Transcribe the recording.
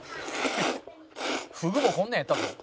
「ふぐもこんなんやったぞ」